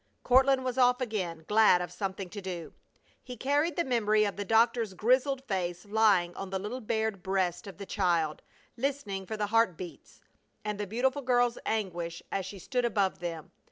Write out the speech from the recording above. Courtland was off again, glad of something to do. He carried the memory of the doctor's grizzled face lying on the little bared breast of the child, listening for the heart beats, and the beautiful girl's anguish as she stood above them.